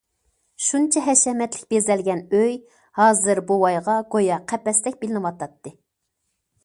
شۇنچە ھەشەمەتلىك بېزەلگەن ئۆي ھازىر بوۋايغا گويا قەپەستەك بىلىنىۋاتاتتى.